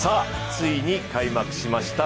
ついに開幕しました